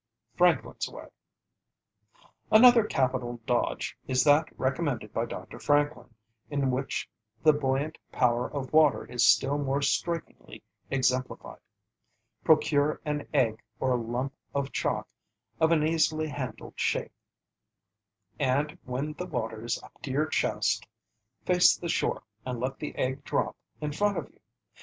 FRANKLIN'S WAY Another capital dodge is that recommended by Dr. Franklin, in which the buoyant power of water is still more strikingly exemplified. Procure an egg or lump of chalk of an easily handled shape, and, when the water is up to your chest, face the shore and let the egg drop in front of you.